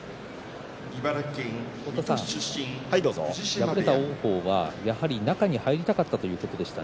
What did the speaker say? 敗れた王鵬はやはり中に入りたかったということでした。